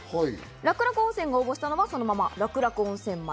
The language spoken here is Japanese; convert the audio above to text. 楽々温泉が応募したのはそのまま、楽々温泉前。